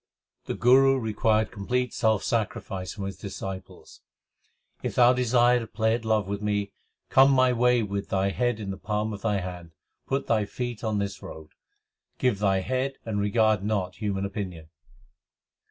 The Guru required complete self sacrifice from his disciples : If thou desire to play at love with me, Come my way with thy head in the palm of thy hand. Put thy feet on this road ; Give thy head and regard not human opinion.